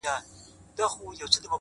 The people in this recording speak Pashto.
بوتله جار دي سم’ چي پشکال دي وکړ’